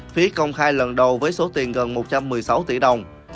phí công khai lần đầu với số tiền gần một trăm một mươi sáu tỷ đồng